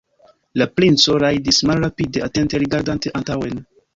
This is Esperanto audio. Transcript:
La princo rajdis malrapide, atente rigardante antaŭen.